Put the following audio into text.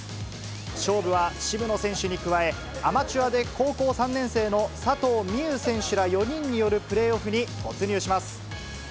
勝負は渋野選手に加え、アマチュアで高校３年生の佐藤心結選手ら４人によるプレーオフに突入します。